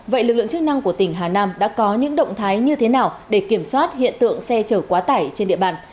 vậy lực lượng chức năng của tỉnh hà nam đã có những động thái như thế nào để kiểm soát hiện tượng xe chở quá tải trên địa bàn